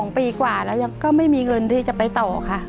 ๒ปีกว่าแล้วก็ไม่มีเงินที่จะไปต่อค่ะ